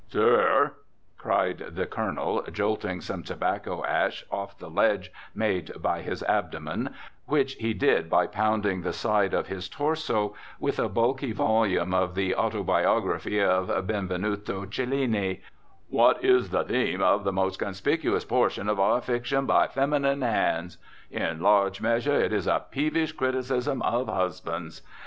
"Sir," cried the Colonel, jolting some tobacco ash off the ledge made by his abdomen, which he did by pounding the side of his torso with a bulky volume of the "Autobiography of Benvenuto Cellini," "what is the theme of the most conspicuous portion of our fiction by feminine hands? In large measure it is a peevish criticism of husbands.